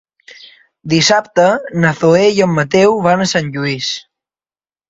Dissabte na Zoè i en Mateu van a Sant Lluís.